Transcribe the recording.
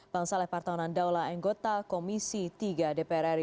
bang saleh partaunan daulah enggota komisi tiga dpr ri